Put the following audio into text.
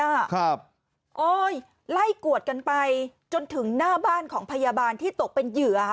โอ๊ยไล่กวดกันไปจนถึงหน้าบ้านของพยาบาลที่ตกเป็นเหยื่อค่ะ